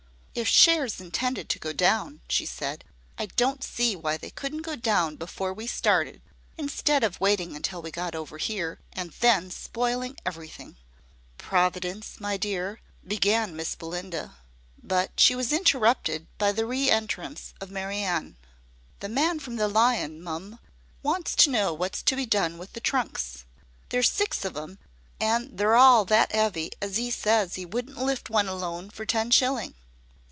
"If shares intended to go down," she said, "I don't see why they couldn't go down before we started, instead of waiting until we got over here, and then spoiling every thing." "Providence, my dear" began Miss Belinda. But she was interrupted by the re entrance of Mary Anne. "The man from the Lion, mum, wants to know what's to be done with the trunks. There's six of 'em, an' they're all that 'eavy as he says he wouldn't lift one alone for ten shilling."